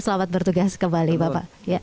selamat bertugas kembali bapak